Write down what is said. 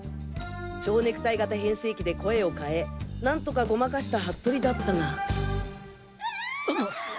蝶ネクタイ型変声機で声を変えなんとかごまかした服部だったが・キャアアー！